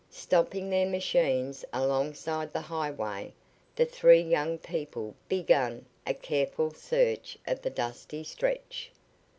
Stopping their machines alongside the highway, the three young people began a careful search of the dusty stretch.